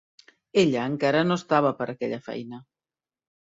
Ella encara no estava per aquella feina.